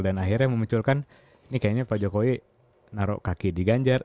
dan akhirnya memunculkan nih kayaknya pak jokowi naruh kaki di ganjar